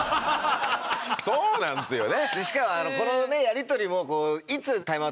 そうなんですよね。